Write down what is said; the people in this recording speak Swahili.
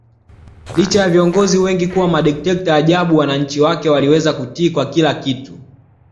Licha ya viongozi wengi kuwa madikteta ajabu wananchi wake waliweza kutii kwa kila kitu